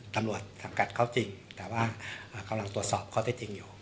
ตำรวจสังกัดเขาจริงแต่ว่ากำลังตรวจสอบข้อเท็จจริงอยู่